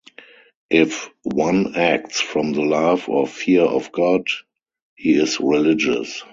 If one acts from the love or fear of God, he is religious.